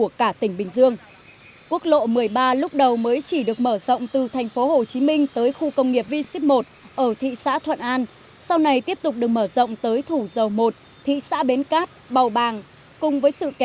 ở bình dương chủ lực là các khu công nghiệp bảo bàng v v